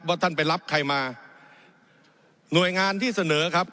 ท่านไปรับใครมาหน่วยงานที่เสนอครับ